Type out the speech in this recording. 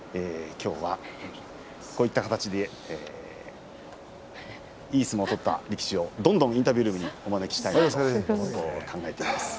きょうは、こういった形でいい相撲を取った力士をどんどんインタビュールームにお招きしたいと思います。